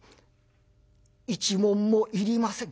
「１文もいりません」。